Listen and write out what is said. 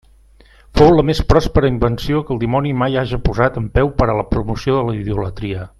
Fou la més pròspera invenció que el dimoni mai haja posat en peu per a la promoció de la idolatria.